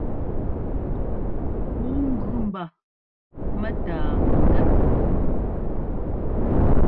Pûu gʉ mba mɛ́tâa ŋgɛ́p.